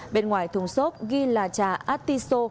bên ngoài thùng xốp ghi là trà atiso